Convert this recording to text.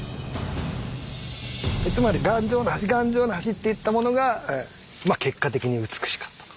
つまり頑丈な橋頑丈な橋っていったものが結果的に美しかったと。